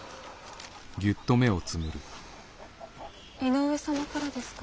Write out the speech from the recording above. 井上様からですか？